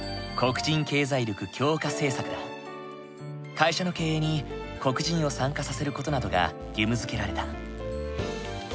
会社の経営に黒人を参加させる事などが義務づけられた。